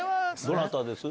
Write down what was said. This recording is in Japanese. どなたです？